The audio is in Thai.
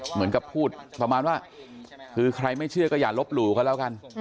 เหมือนกับพูดประมาณว่าคือใครไม่เชื่อก็อย่าลบหลู่เขาแล้วกัน